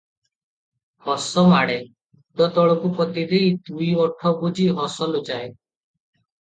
ହସ ମାଡ଼େ, ମୁଣ୍ଡ ତଳକୁ ପୋତି ଦେଇ ଦୁଇ ଓଠ ବୁଜି ହସ ଲୁଚାଏ ।